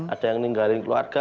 ada yang ninggalin keluarga